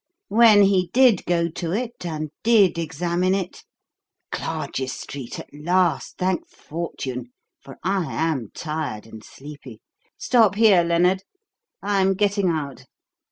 When he did go to it, and did examine it Clarges Street at last, thank fortune; for I am tired and sleepy. Stop here, Lennard; I'm getting out.